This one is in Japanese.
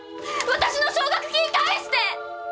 私の奨学金返して！